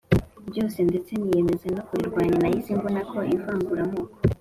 ryose ndetse niyemeza no kurirwanya Nahise mbona ko ivanguramoko